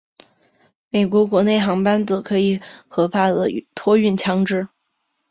美国国内航班则可以合法的托运枪支。